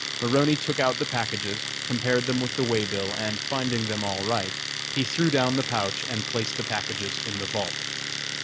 Maroney took out the packages, compared them with the way bill, and, finding them all right, he threw down the pouch and placed the packages in the vault.